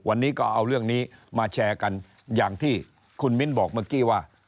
วันนี้ก็เอาเรื่องนี้มาแชร์กันอย่างที่คุณมิ้นบอกเมื่อกี้ว่า